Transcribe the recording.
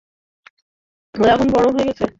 ও এখন বড়ো হয়ে গেছে।